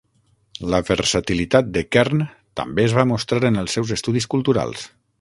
La versatilitat de Kern també es va mostrar en els seus estudis culturals.